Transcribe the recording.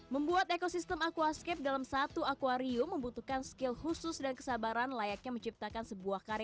membuat ekosistem aquascape dalam satu akwarium membutuhkan skill khusus dan kesabaran layaknya menciptakan sebuah karya